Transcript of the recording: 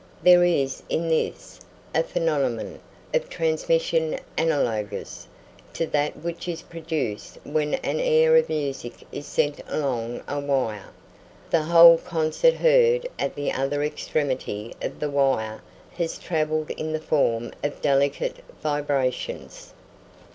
There is in this a phenomenon of transmission analogous to that which is produced when an air of music is sent along a wire; the whole concert heard at the other extremity of the wire has travelled in the form of delicate vibrations.